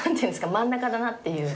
真ん中だなっていう。